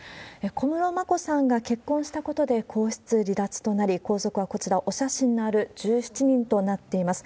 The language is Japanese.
小室眞子さんが結婚したことで、皇室離脱となり、皇族はこちら、お写真のある１７人となっています。